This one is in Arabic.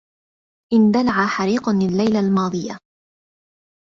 اندلع حريق الليلة الماضية.